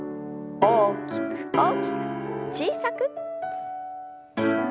大きく大きく小さく。